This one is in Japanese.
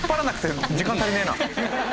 時間足りねえな。